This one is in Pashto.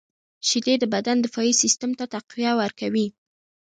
• شیدې د بدن دفاعي سیسټم ته تقویه ورکوي.